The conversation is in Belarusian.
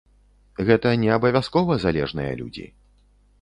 Гэта не абавязкова залежныя людзі.